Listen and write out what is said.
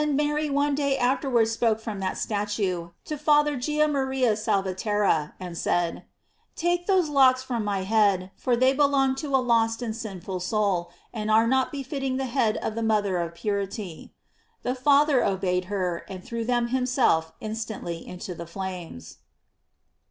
Mary one day afterwards spoke from that statue to Father Giaramaria Salvaterra, and said: Take those locks from my head, for they belong to a lost and sinful soul, and are not befitting the head of the mother of purity. The Father obeyed her, and threw them himself instantly into the flames.